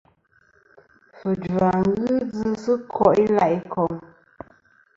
Fujva ghɨ djɨ sɨ ko' i la' ikom.